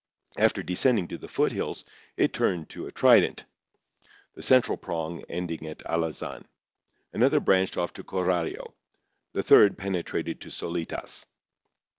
After descending to the foothills it turned to a trident, the central prong ending at Alazan. Another branched off to Coralio; the third penetrated to Solitas.